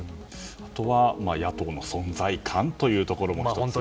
あとは野党の存在感というところも１つ。